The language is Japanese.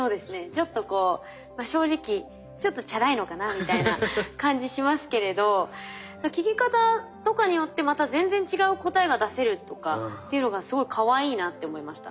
ちょっとこう正直ちょっとチャラいのかなみたいな感じしますけれど聞き方とかによってまた全然違う答えが出せるとかっていうのがすごいかわいいなって思いました。